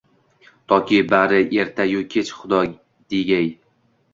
Toki bari erta-yu kech Xudo degay